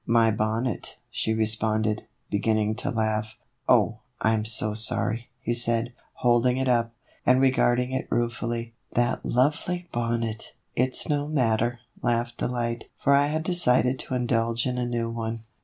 " My bonnet," she responded, beginning to laugh. " Oh, I 'm so sorry," he said, holding it up, and regarding it ruefully. " That lovely bonnet !" "It's no matter," laughed Delight; "for I had decided to indulge in a new one."